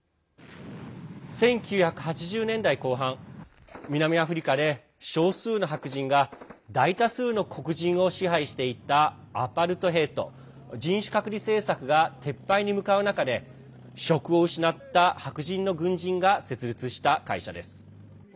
１９８０年代後半、南アフリカで少数の白人が大多数の黒人を支配していたアパルトヘイト＝人種隔離政策が撤廃に向かう中で職を失った白人の軍人が設立した会社です。